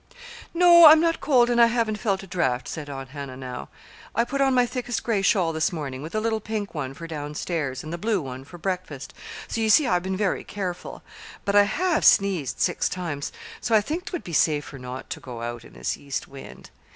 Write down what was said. "No, I'm not cold, and I haven't felt a draft," said Aunt Hannah now. "I put on my thickest gray shawl this morning with the little pink one for down stairs, and the blue one for breakfast; so you see I've been very careful. But I have sneezed six times, so I think 'twould be safer not to go out in this east wind.